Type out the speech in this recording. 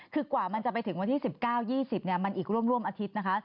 คือกว่ามันจะไปถึงวันที่๑๙๒๐มันอีกร่วมอาทิตย์นะคะ